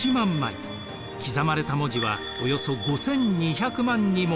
刻まれた文字はおよそ５，２００万にもなります。